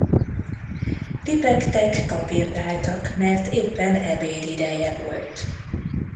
Tipegtek, kapirgáltak, mert éppen ebéd ideje volt.